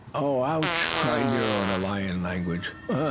"Ouch!" cried Nero, in lion language.